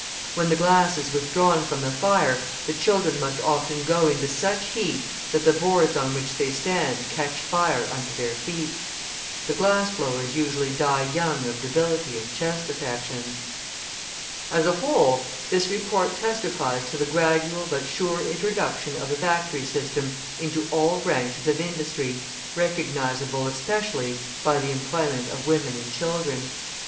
When the glass is withdrawn from the fire, the children must often go into such heat that the boards on which they stand catch fire under their feet. The glassblowers usually die young of debility and chest affections. As a whole, this report testifies to the gradual but sure introduction of the factory system into all branches of industry, recognisable especially by the employment of women and children.